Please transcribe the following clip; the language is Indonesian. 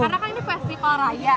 karena kan ini festival raya